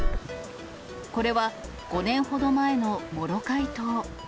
これは５年ほど前のモロカイ島。